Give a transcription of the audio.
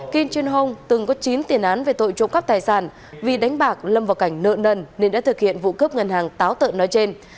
kim trinh hồng từng có chín tiền án về tội trộm cắp tài sản vì đánh bạc lâm vào cảnh nợ nần nên đã thực hiện vụ cướp ngân hàng táo tợ nói trên